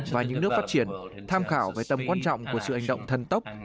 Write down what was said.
và những nước phát triển tham khảo về tầm quan trọng của sự hành động thân tốc